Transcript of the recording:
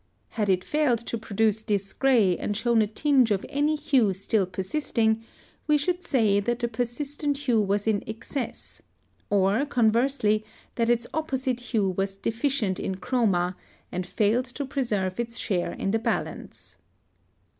Had it failed to produce this gray and shown a tinge of any hue still persisting, we should say that the persistent hue was in excess, or, conversely, that its opposite hue was deficient in chroma, and failed to preserve its share in the balance.